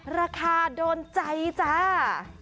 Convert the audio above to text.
ราคาโดนใจจ้า